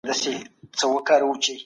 په لاره کي به له احتیاط څخه کار اخلئ.